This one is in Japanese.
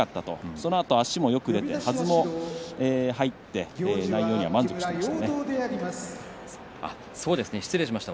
そのあと足もよく出てはずも入って内容には満足していました。